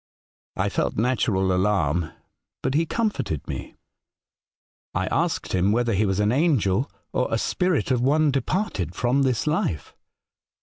I felt natural alarm, but he comforted me. I asked him whether he was an angel, or a spirit of one departed from this life.